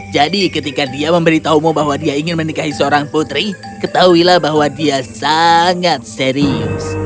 jadi ketika dia memberitahumu bahwa dia ingin menikahi seorang putri ketahuilah bahwa dia sangat serius